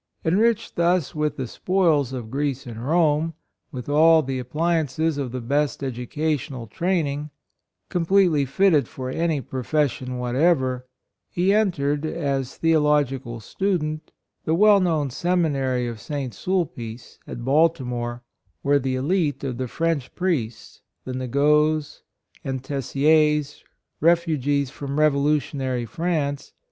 En riched thus with the spoils of Greece and Rome — with all the ap pliances of the best educational training — completely fitted for any profession whatever, he entered, as Theological student, the well known Seminary of St. Sulpice, at Balti more, where the elite of French Priests, the Nagots and Tessiers, refugees from revolutionary France, EVIDENCE OF VOCATION.